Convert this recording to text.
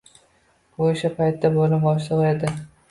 U o'sha paytda bo'lim boshlig'i edi